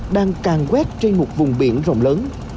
đang càng quét trên một vùng biển rộng lớn